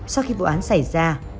sau khi vụ án xảy ra